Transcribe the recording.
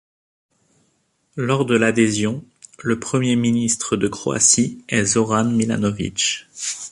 Lors de l'adhésion, le premier ministre de Croatie est Zoran Milanović.